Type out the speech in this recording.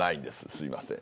すいません。